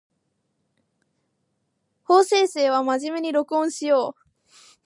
法政生は真面目に録音しよう